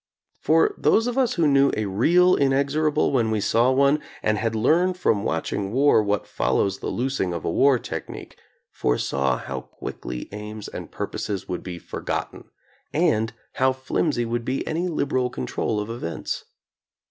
For those of us who knew a real inexorable when we saw one, and had learned from watching war what follows the loosing of a war technique, foresaw how quickly aims and purposes would be forgotten, and how flimsy would be any liberal control of events.